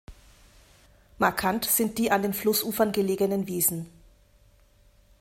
Markant sind die an den Flussufern gelegenen Wiesen.